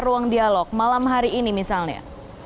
ruang dialog malam hari ini misalnya